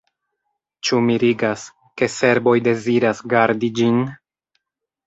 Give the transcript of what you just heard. Ĉu mirigas, ke serboj deziras gardi ĝin?